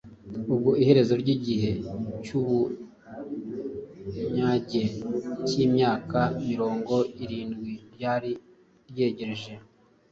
Ubwo iherezo ry’igihe cy’ubunyage cy’imyaka mirongo irindwi ryari ryegereje,